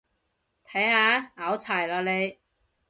睇下，拗柴喇你